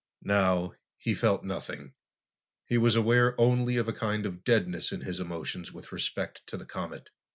Now, he felt nothing. He was aware only of a kind of deadness in his emotions with respect to the comet.